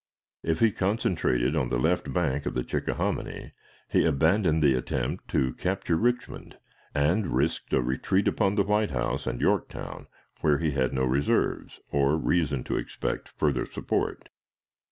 If he concentrated on the left bank of the Chickahominy, he abandoned the attempt to capture Richmond, and risked a retreat upon the White House and Yorktown, where he had no reserves, or reason to expect further support.